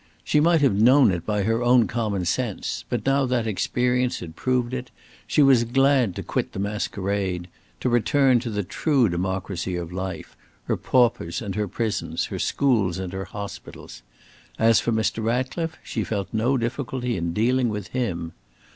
She might have known it by her own common sense, but now that experience had proved it, she was glad to quit the masquerade; to return to the true democracy of life, her paupers and her prisons, her schools and her hospitals. As for Mr. Ratcliffe, she felt no difficulty in dealing with him.